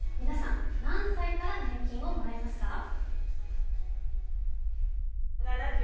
皆さん、何歳から年金をもらいますか？